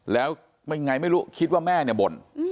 แล้วยังไงไม่รู้คิดว่าแม่เนี่ยบ่น